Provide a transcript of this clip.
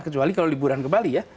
kecuali kalau liburan ke bali ya